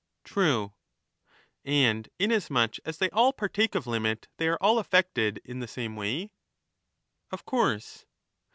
True. And inasmuch as they all partake of limit, they are all affected in the same way. Of course.